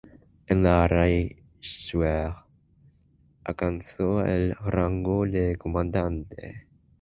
En la "Reichswehr" alcanzó el rango de comandante.